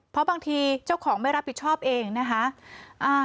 เพราะบางทีเจ้าของไม่รับผิดชอบเองนะคะ